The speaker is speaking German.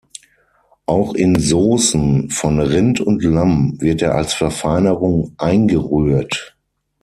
Auch in Saucen von Rind und Lamm wird er als Verfeinerung eingerührt.